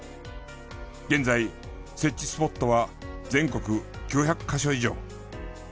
現在設置スポットは全国９００カ所以上。